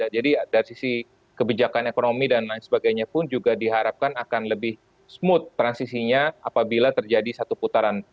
jadi dari sisi kebijakan ekonomi dan lain sebagainya pun juga diharapkan akan lebih smooth transisinya apabila terjadi satu putaran